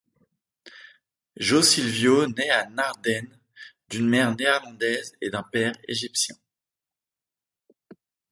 Josylvio naît à Naarden d'une mère néerlandaise et d'un père égyptien.